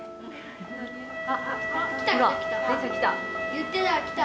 言ってたら来た。